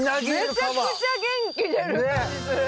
めちゃくちゃ元気出る感じする。